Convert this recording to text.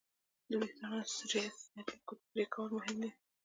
د وېښتیانو سرې ګوتې پرېکول مهم دي.